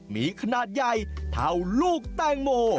มีขนาดใหญ่เท่าลูกแตงโม